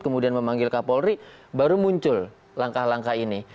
kemudian memanggil kapolri baru muncul langkah langkah ini